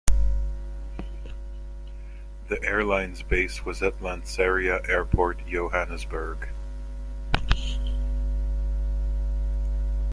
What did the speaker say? The airline's base was at Lanseria Airport, Johannesburg.